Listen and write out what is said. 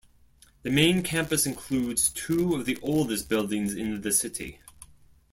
The main campus includes two of the oldest buildings in the city.